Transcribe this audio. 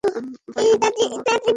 ভাই আমার, তোমাকে প্রণাম!